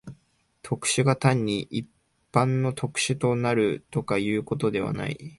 特殊が単に一般の特殊となるとかいうことではない。